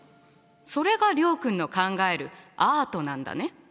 それが諒君の考えるアートなんだね。